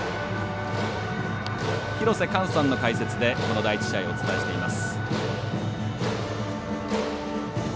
廣瀬寛さんの解説でこの第１試合をお伝えしています。